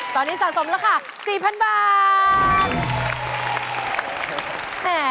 ตอนนี้สะสมราคา๔๐๐๐บาท